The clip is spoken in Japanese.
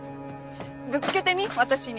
ぶつけてみ私に。